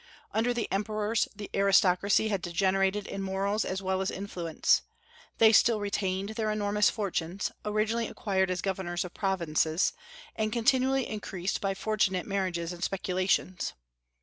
Under the Emperors the aristocracy had degenerated in morals as well as influence. They still retained their enormous fortunes, originally acquired as governors of provinces, and continually increased by fortunate marriages and speculations.